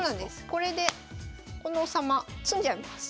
これでこの王様詰んじゃいます。